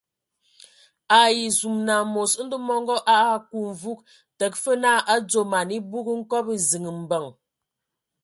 Ai zum amos Ndɔ mɔngɔ a aku mvug, təga fəg naa a dzo man ebug nkɔbɔ ziŋ mbəŋ.